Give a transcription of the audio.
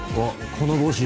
この帽子